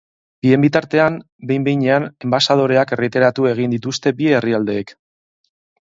Bien bitartean, behin behinean enbaxadoreak erretiratu egin dituzte bi herrialdeek.